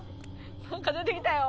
なんか出てきたよ。